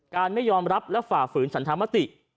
ไม่ยอมรับและฝ่าฝืนฉันธรรมติ